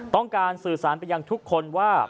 ต้องการสื่อสารไปยังทุกคนว่า